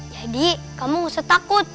jadi kamu gak usah takut